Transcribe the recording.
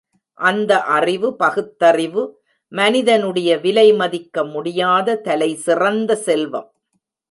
அந்த அறிவு பகுத்தறிவு மனிதனுடைய விலை மதிக்க முடியாத தலைசிறந்த செல்வம்.